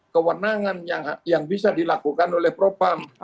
kewenangan yang bisa dilakukan oleh propam